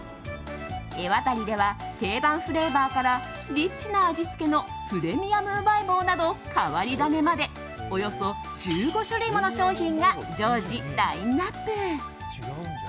エワタリでは定番フレーバーからリッチな味付けのプレミアムうまい棒など変わり種までおよそ１５種類もの商品が常時ラインアップ。